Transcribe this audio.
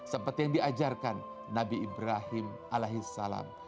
seperti yang diajarkan nabi ibrahim alaihis salam